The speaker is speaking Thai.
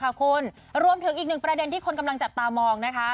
ค่ะคุณรวมถึงอีกหนึ่งประเด็นที่คนกำลังจับตามองนะคะ